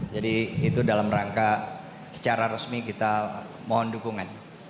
jadi itu dalam rangka secara resmi kita mohon dukungan